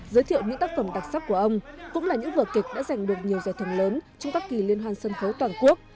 giới thiệu những tác phẩm đặc sắc của ông cũng là những vở kịch đã giành được nhiều giải thưởng lớn trong các kỳ liên hoàn sân khấu toàn quốc